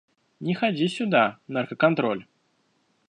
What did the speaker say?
Не ходи сюда, наркоконтролль!